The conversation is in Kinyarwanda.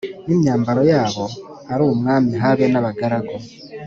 n imyambaro yabo ari umwami habe n abagaragu